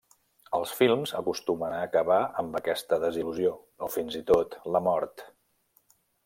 Els films acostumen a acabar amb aquesta desil·lusió o, fins i tot, la mort.